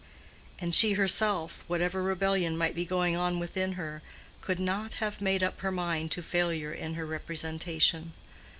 And she herself, whatever rebellion might be going on within her, could not have made up her mind to failure in her representation.